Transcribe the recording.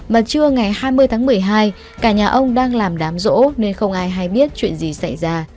mà trưa ngày hai mươi tháng một mươi hai cả nhà ông đang làm đám rỗ nên không ai hay biết chuyện gì xảy ra